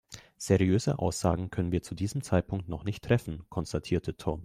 Seriöse Aussagen können wir zu diesem Zeitpunkt noch nicht treffen, konstatierte Tom.